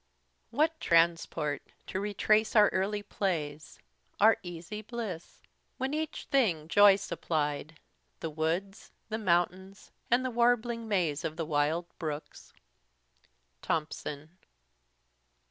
"What transport to retrace our early plays, Our easy bliss, when each thing joy supplied; The woods, the mountains, and the warbling maze Of the wild brooks." THOMSON.